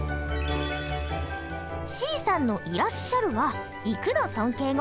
Ｃさんの「いらっしゃる」は「行く」の尊敬語。